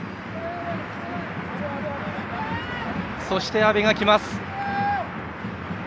そして、阿部が来ます。